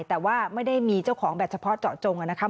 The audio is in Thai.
แต่ว่าไม่ได้มีเจ้าของแบบเฉพาะเจาะจงนะครับ